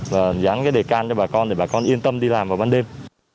và dán cái đề can cho bà con để bà con yên tâm đi làm vào ban đêm